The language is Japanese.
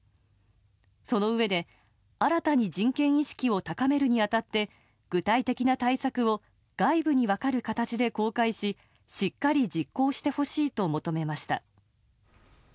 そのうえで、新たに人権意識を高めるに当たって具体的な対策を外部に分かる形で公開ししっかり実行してほしいと求めました。